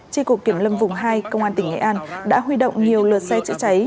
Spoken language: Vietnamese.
tri cục kiểm lâm vùng hai công an tỉnh nghệ an đã huy động nhiều lượt xe chữa cháy